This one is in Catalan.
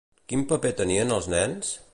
Quin paper tenien els nens?